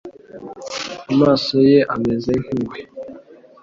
Amaso ye ameze nk'ingwe.